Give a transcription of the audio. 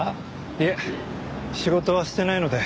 いえ仕事はしてないので。